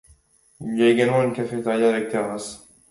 Il y a également une cafétéria avec terrasse.